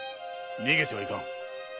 逃げてはいかん。